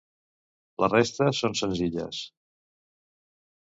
La resta són senzilles.